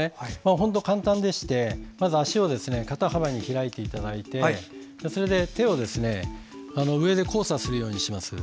本当に簡単でして、まずは足を肩幅に開いていただいて手を上で交差するようにします。